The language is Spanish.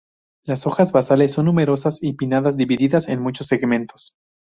Los hojas basales son numerosas y pinnadas divididas en muchos segmentos.